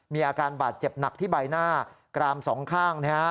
มีอาการบาดเจ็บหนักที่ใบหน้ากรามสองข้างนะฮะ